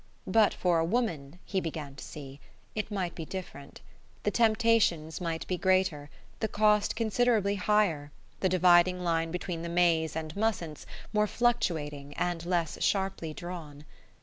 But for a woman, he began to see, it might be different. The temptations might be greater, the cost considerably higher, the dividing line between the "mays" and "mustn'ts" more fluctuating and less sharply drawn.